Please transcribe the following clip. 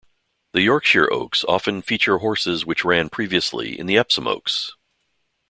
The Yorkshire Oaks often features horses which ran previously in the Epsom Oaks.